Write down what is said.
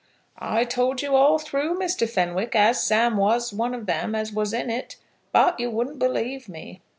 "I told you all through, Mr. Fenwick, as Sam was one of them as was in it, but you wouldn't believe me."